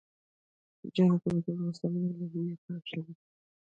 چنګلونه د افغانستان د ملي هویت نښه ده.